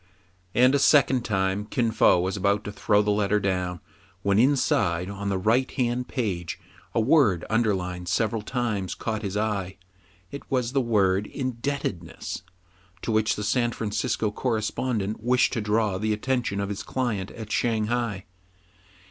'* And a second time Kin Fo was about to throw down the letter, when inside, on the right hand page, a word underlined several times caught his eye. It was the word "indebtedness," to which the San Francisco correspondent wished to draw the attention of his client at Shang hai.